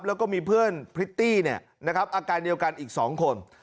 แล้วก็มีเพื่อนพริตตี้อาการเดียวกันอีก๒คน